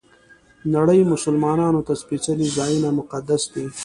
نړۍ مسلمانانو ته سپېڅلي ځایونه مقدس دي.